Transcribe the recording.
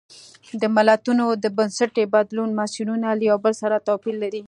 د ملتونو د بنسټي بدلون مسیرونه له یو بل سره توپیر لري.